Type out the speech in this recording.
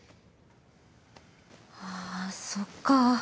あそっか。